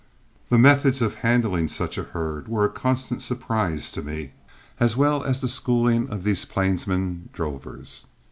The methods of handling such a herd were a constant surprise to me, as well as the schooling of these plainsmen drovers.